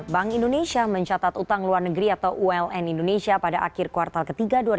bank indonesia mencatat utang luar negeri atau uln indonesia pada akhir kuartal ke tiga dua ribu dua puluh